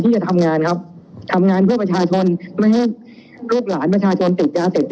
จะทำงานครับทำงานเพื่อประชาชนไม่ให้ลูกหลานประชาชนติดยาเสพติด